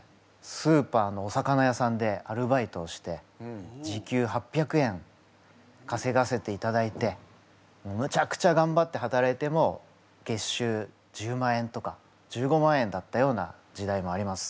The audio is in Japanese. スーパーのお魚屋さんでアルバイトをして時給８００円かせがせていただいてむちゃくちゃがんばって働いても月収１０万円とか１５万円だったような時代もあります。